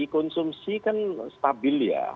konsumsi kan stabil ya